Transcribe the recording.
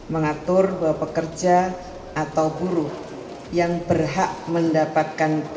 mengatur bahwa pekerja atau buruh yang berhak mendapatkan